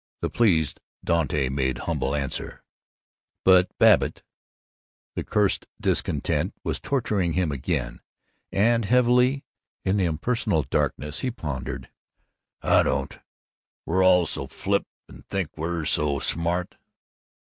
The pleased Dante made humble answer. But Babbitt the curst discontent was torturing him again, and heavily, in the impersonal darkness, he pondered, "I don't We're all so flip and think we're so smart.